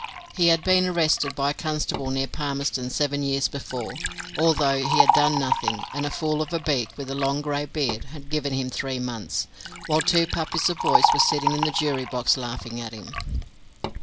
He had been arrested by a constable near Palmerston seven years before, although he had done nothing, and a fool of a beak, with a long grey beard, had given him three months, while two puppies of boys were sitting in the jury box laughing at him.